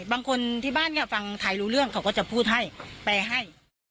บางคนที่บ้านฟังไทยรู้เรื่องเขาก็จะพูดให้แปลให้